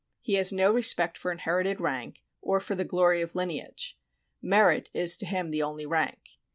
He has no respect for inherited rank or for the glory of lineage ; merit is to him the only rank.